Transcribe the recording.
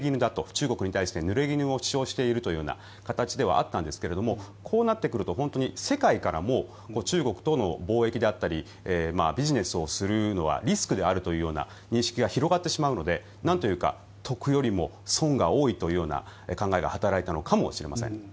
中国に対するぬれぎぬを主張しているという形ではあったんですがこうなってくると世界からも中国との貿易だったりビジネスをするのはリスクであるというような認識が広まってしまうので得よりも損が多いという考えが働いたのかもしれません。